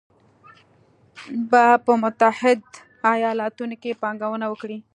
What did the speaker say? به په متحدو ایالتونو کې پانګونه وکړي